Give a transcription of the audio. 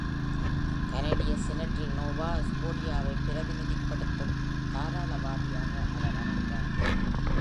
கனடிய செனட்டில், நோவா ஸ்கோடியாவைப் பிரதிநிதிப்படுத்தும் தாராளவாதியாக அவர் அமர்ந்தார்.